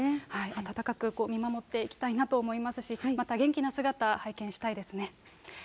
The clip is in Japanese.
温かく見守っていきたいなと思いますし、また元気な姿、拝見したいですね。